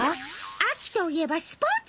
あきといえばスポーツ！